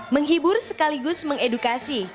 menghibur sekaligus mengedukasi